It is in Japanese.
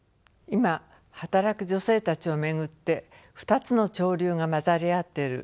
今働く女性たちを巡って２つの潮流が混ざり合っている。